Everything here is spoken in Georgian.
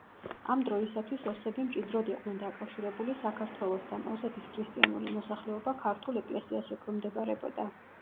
ამ დროისათვის ოსები მჭიდროდ იყვნენ დაკავშირებული საქართველოსთან, ოსეთის ქრისტიანული მოსახლეობა ქართულ ეკლესიას ექვემდებარებოდა.